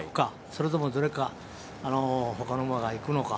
それともほかの馬がいくのか。